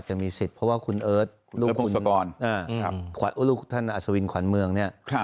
จะมีสิทธิ์เพราะว่าคุณเอิร์ทลูกคุณลูกท่านอัศวินขวัญเมืองเนี่ย